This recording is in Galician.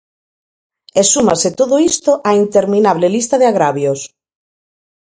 E súmase todo isto á interminable lista de agravios.